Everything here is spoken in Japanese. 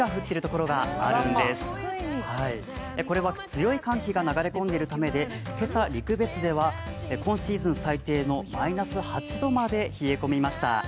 これは強い寒気が流れ込んでいるためで、今朝、陸別では今シーズン最低のマイナス８度まで冷え込みました。